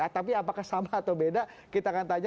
tapi apakah sama atau beda kita akan tanya